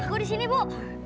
aku di sini ibu